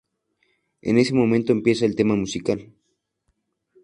En ese momento empieza el tema musical.